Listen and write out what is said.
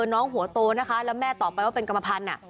น้องหัวโตนะคะแล้วแม่ตอบไปว่าเป็นกรรมพันธุ์